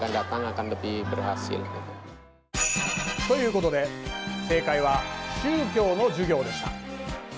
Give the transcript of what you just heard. ということで正解は宗教の授業でした。